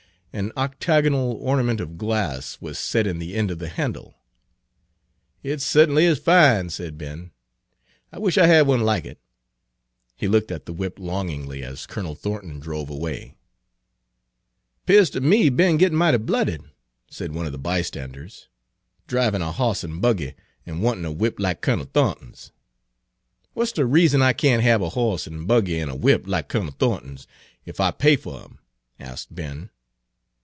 An octagonal ornament of glass was set in the end of the handle. "It cert'n'y is fine," said Ben; "I wish I had one like it." He looked at the whip longingly as Colonel Thornton drove away. " 'Pears ter me Ben gittin' mighty blooded," said one of the bystanders, "drivin' a hoss an' buggy, an' wantin' a whip like Colonel Thornton's." "What 's de reason I can't hab a hoss an' Page 293 buggy an' a whip like Kunnel Tho'nton's, ef I pay fer 'em?" asked Ben.